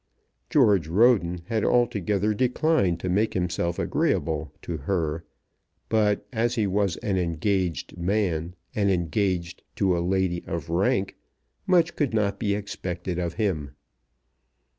George Roden had altogether declined to make himself agreeable to her; but as he was an engaged man, and engaged to a lady of rank, much could not be expected of him.